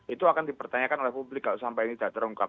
itu akan dipertanyakan oleh publik kalau sampai ini tidak terungkap